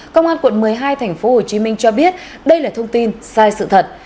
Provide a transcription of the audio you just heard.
công an quận một mươi hai tp hcm cho biết đây là thông tin sai sự thật